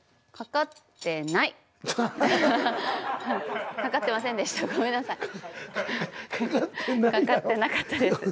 かかってなかったです。